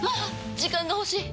時間が欲しい！